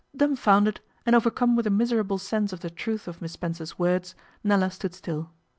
Dumbfounded, and overcome with a miserable sense of the truth of Miss Spencer's words, Nella stood still.